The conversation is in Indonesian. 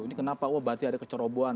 ini kenapa wah berarti ada kecerobohan